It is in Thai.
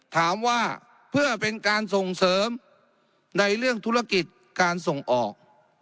ถามว่าเพื่อเป็นการส่งเสริมในเรื่องธุรกิจการส่งออก